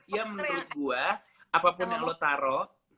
ya menurut gue apapun yang lo taruh